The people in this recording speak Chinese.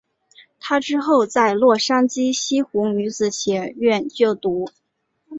她之后在洛杉矶西湖女子学院就读。